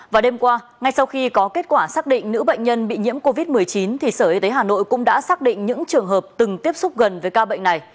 và đêm qua ngay sau khi có kết quả xác định nữ bệnh nhân bị nhiễm covid một mươi chín thì sở y tế hà nội cũng đã xác định những trường hợp từng tiếp xúc gần với ca bệnh này